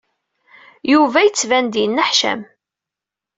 Yuba yettban-d yenneḥcam.